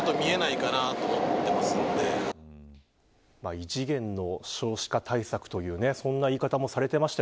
異次元の少子化対策というそんな言い方もされていました。